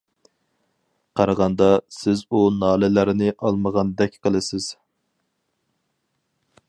قارىغاندا، سىز ئۇ نالىلەرنى ئاڭلىمىغاندەك قىلىسىز.